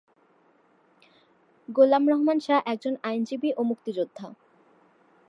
গোলাম রহমান শাহ একজন আইনজীবী ও মুক্তিযোদ্ধা।